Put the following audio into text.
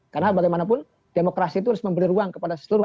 karena bagaimanapun demokrasi itu harus memberi ruang kepada seluruh